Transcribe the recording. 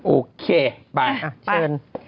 โอเคไปเชิญ